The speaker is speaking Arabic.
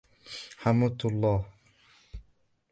حمدت الله.